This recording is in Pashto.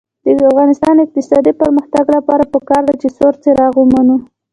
د افغانستان د اقتصادي پرمختګ لپاره پکار ده چې سور څراغ ومنو.